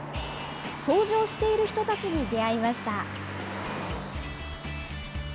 掃除をしている人たちに出会いました。